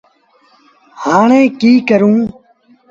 هآي ڪيٚ ڪرون۔